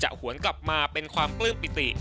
จะห้วนกลับมาเป็นความปิติ